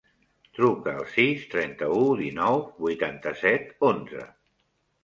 Truca al sis, trenta-u, dinou, vuitanta-set, onze.